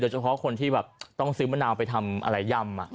เฉพาะคนที่แบบต้องซื้อมะนาวไปทำอะไรย่ำ